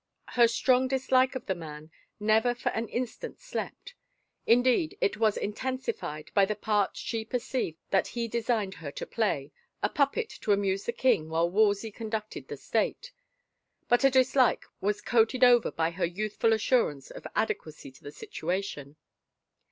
Her strong dislike of the man never for an in stant slept ; indeed it was intensified by the part she per ceived that he designed her to play — a puppet to amuse the king while Wolsey conducted the state — but her dis like was coated over by her youthful assurance of adequacy to the situation.